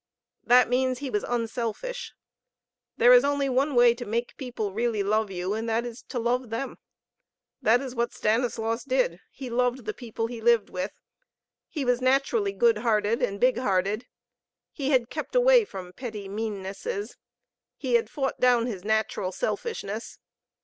That means he was unselfish. There is only one way to make people really love you, and that is to love them. That is what Stanislaus did; he loved the people he lived with. He was naturally good hearted, and big hearted. He had kept away from petty meannesses. He had fought down his natural selfishness.